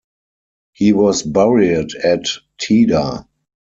He was buried at Teda.